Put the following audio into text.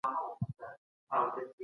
اروپایي توپچې درې ډزې وکړې او وتښتېدې.